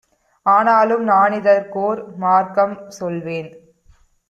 ஆனாலும் நானிதற்கோர் மார்க்கம் சொல்வேன்;